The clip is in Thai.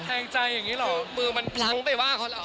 แทงใจอย่างนี้หรอมือมันพลั้งไปว่าเขาแล้ว